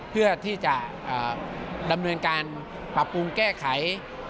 เพื่อที่จะดำเนินการปรับปรุงแก้ไข